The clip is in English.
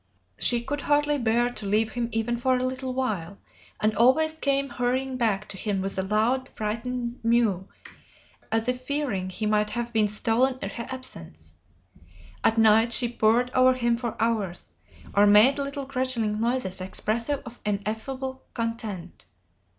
She could hardly bear to leave him even for a little while, and always came hurrying back to him with a loud, frightened mew, as if fearing he might have been stolen in her absence. At night she purred over him for hours, or made little gurgling noises expressive of ineffable content.